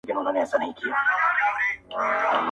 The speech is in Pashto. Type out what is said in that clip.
شخصیتي وده